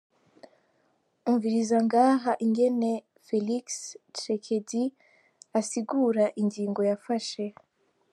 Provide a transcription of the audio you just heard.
Umviriza ngaha ingene Felix Tshisekedi asigura ingingo yafashe.